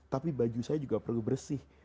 tapi baju saya juga perlu bersih